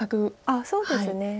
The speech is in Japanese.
あっそうですね。